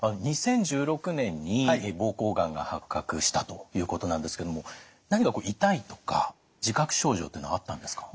２０１６年に膀胱がんが発覚したということなんですけども何か痛いとか自覚症状っていうのはあったんですか？